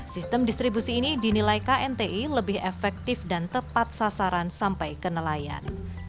sistem distribusi ini dinilai knti lebih efektif dan tepat sasaran sampai ke nelayan